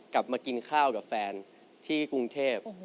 กลับมากินข้าวกับแฟนที่กรุงเทพ